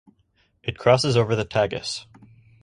It crosses over the Tagus.